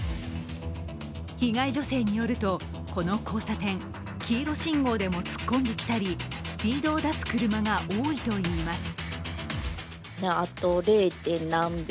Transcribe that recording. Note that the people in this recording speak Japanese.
被害女性によるとこの交差点、黄色信号でも突っ込んできたり、スピードを出す車が多いといいます。